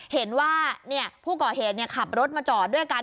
เห็นว่าผู้ก่อเหตุขับรถมาจอดด้วยกัน